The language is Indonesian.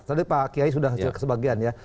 tadi pak kiai sudah sebagian ya